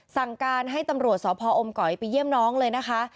สั่งการให้ตำรวจสพออมก๋อยไปเยี่ยมน้องเลยนะคะ